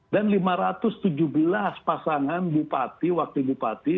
dan lima ratus tujuh belas pasangan bupati wakil bupati